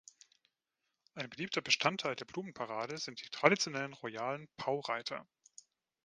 Ein beliebter Bestandteil der Blumenparade sind die traditionellen royalen "Pau-Reiter".